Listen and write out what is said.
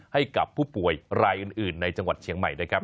ให้กับผู้ป่วยรายอื่นในจังหวัดเชียงใหม่นะครับ